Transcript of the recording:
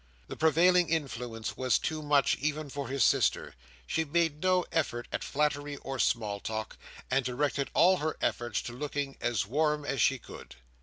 The prevailing influence was too much even for his sister. She made no effort at flattery or small talk, and directed all her efforts to looking as warm as she could.